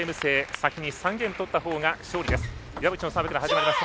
先に３ゲームとったほうが勝利です。